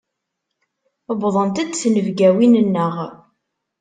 Wwḍent-d tnebgawin-nneɣ.